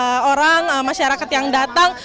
dan banyaknya orang masyarakat yang datang